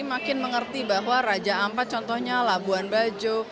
makin mengerti bahwa raja ampat contohnya labuan bajo